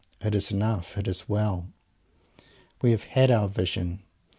It is enough. It is well. We have had our Vision.